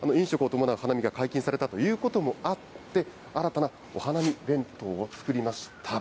ただことしは、飲食を伴う花見が解禁されたということもあって、新たなお花見弁当を作りました。